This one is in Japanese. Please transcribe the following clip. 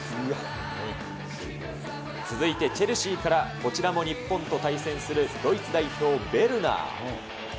続いてチェルシーから、こちらも日本と対戦するドイツ代表、ベルナー。